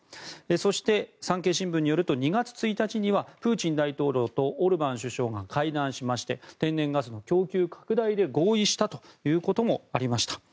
そして、産経新聞によると２月１日にはプーチン大統領とオルバン首相が会談しまして天然ガスの供給拡大で合意したということもありました。